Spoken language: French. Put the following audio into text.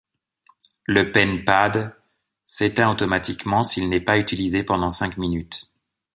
Le Pen Pad s'éteint automatiquement s'il n'est pas utilisé pendant cinq minutes.